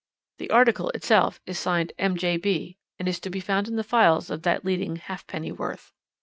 (The article itself is signed M.J.B., and is to be found in the files of that leading halfpennyworth.)